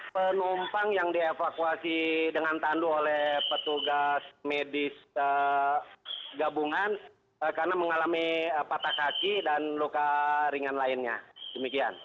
penumpang yang dievakuasi dengan tandu oleh petugas medis gabungan karena mengalami patah kaki dan luka ringan lainnya demikian